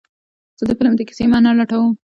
زه د فلم د کیسې معنی لټوم.